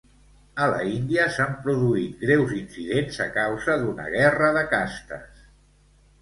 A la Índia s'han produït greus incidents a causa d'una guerra de castes.